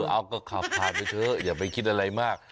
เอาก็ขับผ่านไปเถอะอย่าไปคิดอะไรมาก